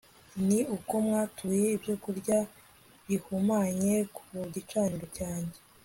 Ni uko mwatuye ibyokurya bihumanye ku gicaniro cyanjye